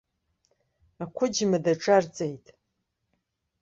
Ақәыџьма даҿарҵеит.